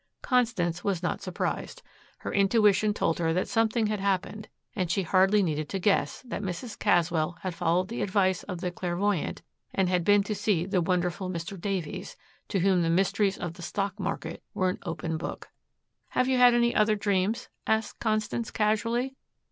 Constance was not surprised. Her intuition told her that something had happened and she hardly needed to guess that Mrs. Caswell had followed the advice of the clairvoyant and had been to see the wonderful Mr. Davies, to whom the mysteries of the stock market were an open book. "Have you had any other dreams?" asked Constance casually.